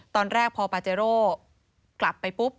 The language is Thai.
ตอนแรกพอปาเจโร่กลับไปปุ๊บ